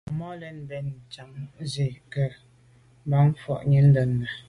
Màmá lɛ̀n mbə̄ mbǎŋ zí lú à gə́ bɑ̌m bú nǔ mwà’nì ndə̂ndə́.